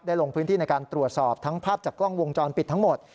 ลงพื้นที่ในการตรวจสอบทั้งภาพจากกล้องวงจรปิดทั้งหมด